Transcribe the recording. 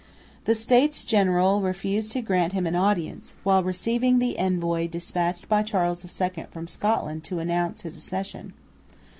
The States General refused to grant him an audience, while receiving the envoy despatched by Charles II from Scotland to announce his accession.